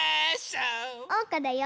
おうかだよ。